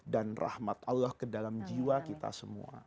rahmat allah ke dalam jiwa kita semua